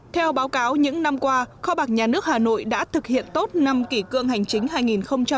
theo báo cáo những năm qua kho bạc nhà nước hà nội đã thực hiện tốt năm kỷ cương hành chính hai nghìn một mươi chín